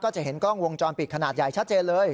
จะเห็นกล้องวงจรปิดขนาดใหญ่ชัดเจนเลย